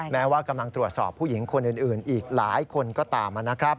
แม้ว่ากำลังตรวจสอบผู้หญิงคนอื่นอีกหลายคนก็ตามนะครับ